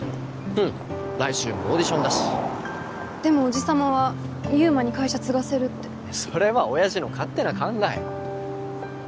うん来週もオーディションだしでもおじ様は祐馬に会社継がせるってそれは親父の勝手な考え